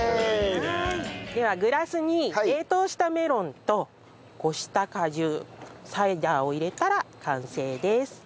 ではグラスに冷凍したメロンとこした果汁サイダーを入れたら完成です。